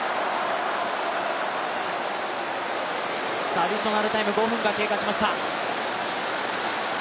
アディショナルタイム、５分が経過しました。